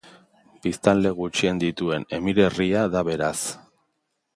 Biztanle gutxien dituen emirerria da beraz.